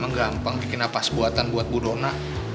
menggampang bikin nafas buatan buat bu dona